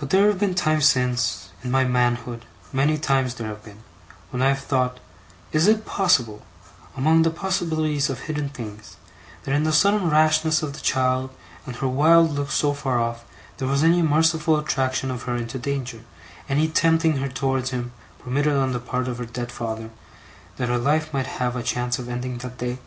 But there have been times since, in my manhood, many times there have been, when I have thought, Is it possible, among the possibilities of hidden things, that in the sudden rashness of the child and her wild look so far off, there was any merciful attraction of her into danger, any tempting her towards him permitted on the part of her dead father, that her life might have a chance of ending that day?